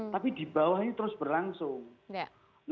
tapi di bawah ini terus berlangsung